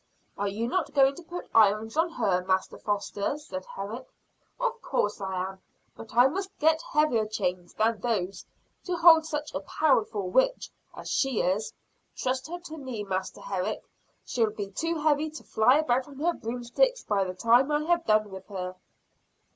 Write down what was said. "Are you not going to put irons on her, Master Foster?" said Herrick. "Of course I am. But I must get heavier chains than those to hold such a powerful witch as she is. Trust her to me, Master Herrick. She'll be too heavy to fly about on her broomsticks by the time I have done with her."